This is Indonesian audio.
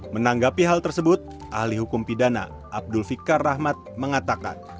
menanggapi hal tersebut ahli hukum pidana abdul fikar rahmat mengatakan